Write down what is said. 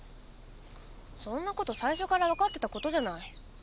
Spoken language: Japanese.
そんなこと最初から分かってたことじゃない。